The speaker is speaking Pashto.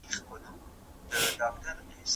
هر څو شېبې روسته